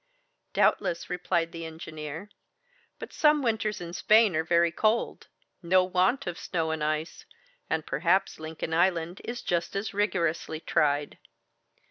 "Doubtless," replied the engineer, "but some winters in Spain are very cold! No want of snow and ice; and perhaps Lincoln Island is just as rigorously tried.